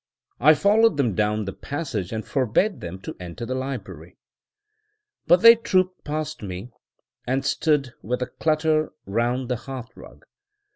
I followed them down the passage, and forbade them to enter the library. But they trooped past me, and stood with a clutter round the hearth rug.